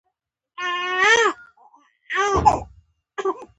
د سرب او کاډمیوم کچه لوړه شوې ده.